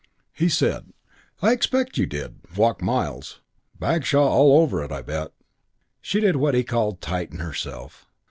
He said, "I expect you did walk miles. Bagshaw all over it, I bet." She did what he called "tighten herself."